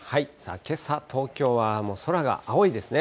けさ、東京は空が青いですね。